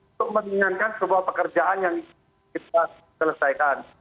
untuk meringankan sebuah pekerjaan yang kita selesaikan